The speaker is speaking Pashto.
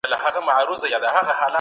هغه مخکې هدف ټاکلی و.